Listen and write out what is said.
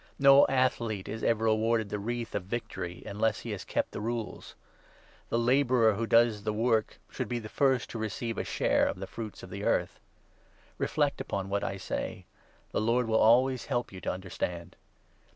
No athlete is ever awarded the 5 wreath of victory unless he has kept the rules. The labourer 6 who does the work should be the first to receive a share of the fruits of the earth. Reflect upon what I say ; the Lord will 7 always help you to understand.